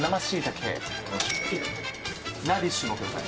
ラディッシュも下さい。